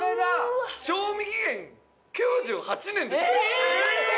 賞味期限１９９８年ですって。